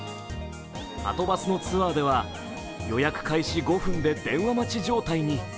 はとバスのツアーでは予約開始５分で電話待ち状態に。